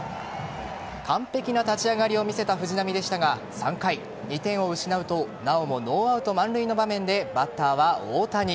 完璧な立ち上がりを見せた藤浪でしたが、３回２点を失うとなおもノーアウト満塁の場面でバッターは大谷。